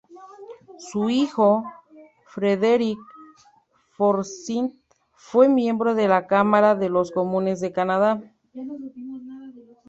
Su hijo, Frederick Forsyth, fue miembro de la Cámara de los Comunes de Canadá.